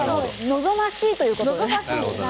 望ましいということですね。